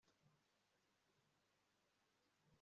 maraso y abahungu babo n ay abakobwa babo